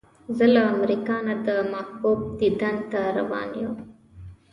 زه له امریکا نه د محبوب دیدن ته روان یو.